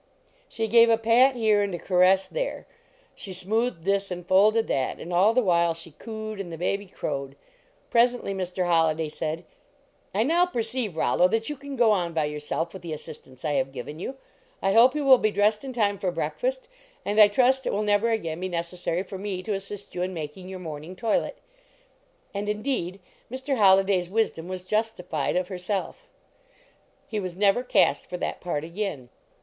She gave a pat here and a caress there; she smoothed this and folded that, and all the while she cooed and the baby crowed. Pres ently Mr. Holliday said: 30 LEAR MM; TO DRESS " I now perceive, Rollo, that you can go on by yourself with the assistance I have given you. I hope you will be dressed in time for breakfast, and I trust it will never again be necessary for me to assist you in making your morning toilet. And, indeed, Mr. Holliday s wisdom was justified of herself; he was never cast for that part again.